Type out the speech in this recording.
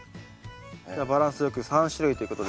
じゃあバランスよく３種類ということで。